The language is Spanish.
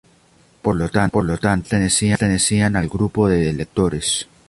Por lo tanto, no pertenecían al grupo de electores.